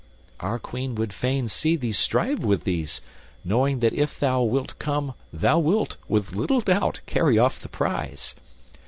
Our Queen would fain see thee strive with these, knowing that if thou wilt come thou wilt, with little doubt, carry off the prize.